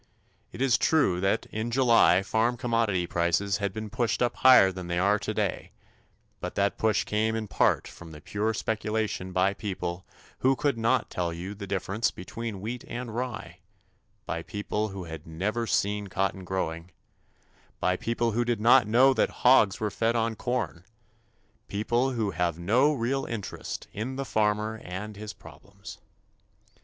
It is true that in July farm commodity prices had been pushed up higher than they are today, but that push came in part from pure speculation by people who could not tell you the difference between wheat and rye, by people who had never seen cotton growing, by people who did not know that hogs were fed on corn people who have no real interest in the farmer and his problems.